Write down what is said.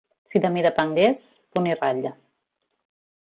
Si de mi depengués, punt i ratlla.